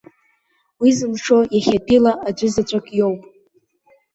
Уи зылшо иахьатәиала аӡәызаҵәык иоуп.